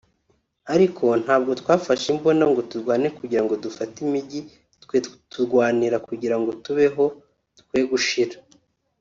ariko ntabwo twafashe imbunda ngo turwane kugira ngo dufate imijyi; twe turwanira kugira ngo tubeho twe gushira (…)